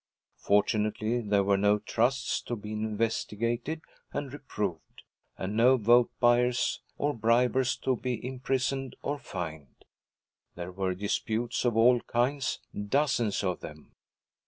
Fortunately there were no trusts to be investigated and reproved, and no vote buyers or bribers to be imprisoned or fined. There were disputes of all kinds, dozens of them.